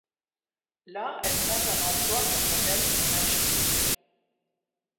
Là, elle prend un emploi comme modèle pour lingerie.